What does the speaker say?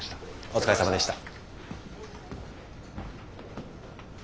お疲れさまでした。